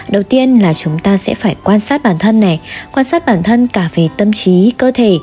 đầu tiên là chúng ta sẽ phải quan sát bản thân này quan sát bản thân cả về tâm trí cơ thể